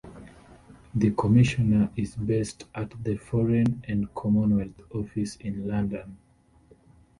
The Commissioner is based at the Foreign and Commonwealth Office in London.